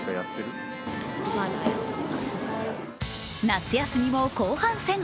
夏休みも後半戦。